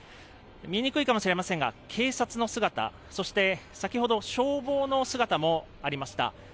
見にくいかもしれませんが警察の姿、そして先ほど消防の姿もありました。